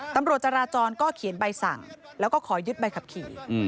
ตำรวจจราจรก็เขียนใบสั่งแล้วก็ขอยึดใบขับขี่